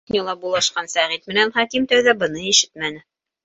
Кухняла булашҡан Сәғит менән Хәким тәүҙә быны ишетмәне.